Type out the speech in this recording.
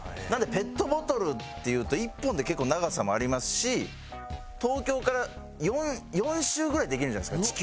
なのでペットボトルっていうと１本で結構長さもありますし東京から４周ぐらいできるんじゃないですか？